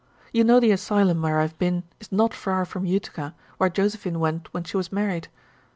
You know the asylum where I have been is not far from Utica, where Josephine went when she was married.